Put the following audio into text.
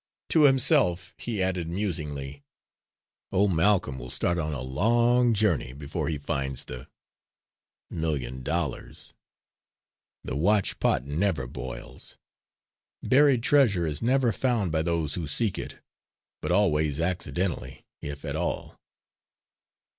To himself he added, musingly, "Old Malcolm will start on a long journey before he finds the million dollars. The watched pot never boils. Buried treasure is never found by those who seek it, but always accidentally, if at all."